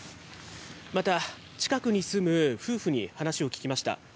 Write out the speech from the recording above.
また、近くに住む夫婦に話を聞きました。